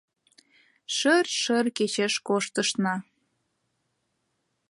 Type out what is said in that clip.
Шыр-шыр кечеш коштышна;